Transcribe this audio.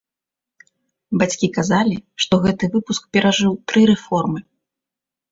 Бацькі казалі, што гэты выпуск перажыў тры рэформы.